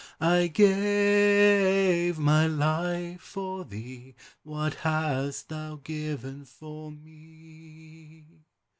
I gave my life for thee; What hast thou given for me?